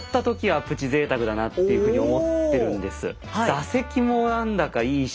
座席も何だかいいし。